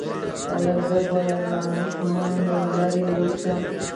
ایا زه باید له ماشومانو لرې اوسم؟